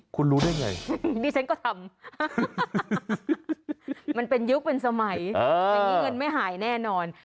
คุณรู้ได้ไงดิฉันก็ทำมันเป็นยุคเป็นสมัยอย่างนี้เงินไม่หายแน่นอน